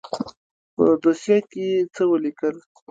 په دوسيه کښې يې څه وليکل.